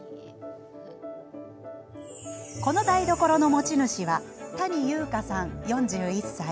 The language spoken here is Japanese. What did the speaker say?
この台所の持ち主は谷優香さん、４１歳。